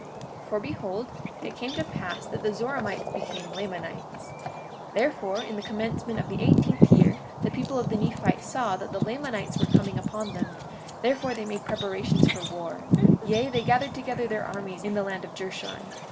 43:4 For behold, it came to pass that the Zoramites became Lamanites; therefore, in the commencement of the eighteenth year the people of the Nephites saw that the Lamanites were coming upon them; therefore they made preparations for war; yea, they gathered together their armies in the land of Jershon.